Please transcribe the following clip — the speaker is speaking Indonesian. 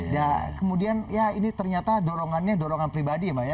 dan kemudian ya ini ternyata dorongannya dorongan pribadi ya mbak ya